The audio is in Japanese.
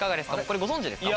これご存じですか？